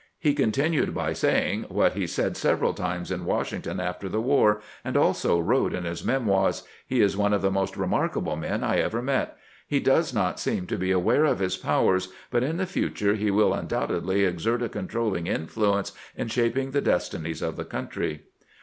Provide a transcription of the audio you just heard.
He continued by saying what he said several times in Washington after the war, and also wrote in his memoirs :" He is one of the most remarkable men I ever met. He does not seem to be aware of his powers, but in the future he will undoubtedly exert a controlling influence in shap ing the destinies of the country."